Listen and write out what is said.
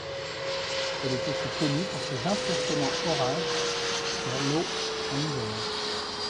Elle est aussi connue pour ses impressionnants orages sur l'eau en hiver.